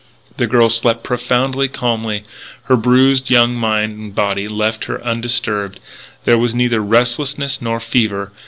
The girl slept profoundly, calmly. Her bruised young mind and body left her undisturbed. There was neither restlessness nor fever.